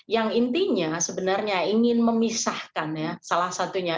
yang intinya sebenarnya ingin memisahkan ya salah satunya